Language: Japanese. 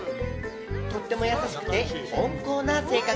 とっても優しくて、温厚な性格。